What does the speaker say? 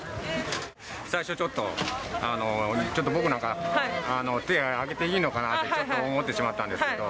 最初ちょっと、ちょっと僕なんか、手挙げていいのかなってちょっと思ってしまったんですけど。